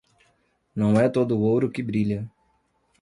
Não é todo o ouro que brilha.